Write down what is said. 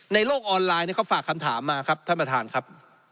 ในโลกออนไลน์เขาฝากคำถามมาครับท่านประธานครับ